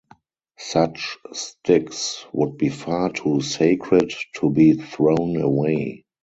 Such sticks would be far too sacred to be thrown away.